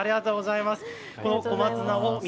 ありがとうございます。